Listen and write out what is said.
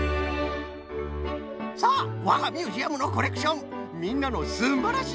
さあわがミュージアムのコレクションみんなのすんばらしい